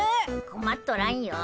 こまっとらんよ。